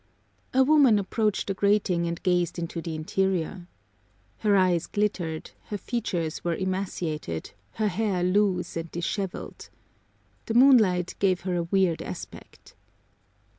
A woman approached the grating and gazed into the interior. Her eyes glittered, her features were emaciated, her hair loose and dishevelled. The moonlight gave her a weird aspect.